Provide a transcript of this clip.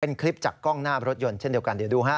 เป็นคลิปจากกล้องหน้ารถยนต์เช่นเดียวกันเดี๋ยวดูฮะ